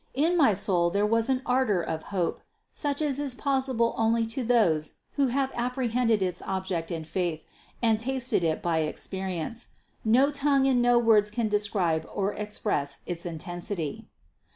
In my soul there was an ardor of hope, such as is possible only to those who have apprehended its object in faith and tasted it by experience ; no tongue and no words can describe or express its intensity.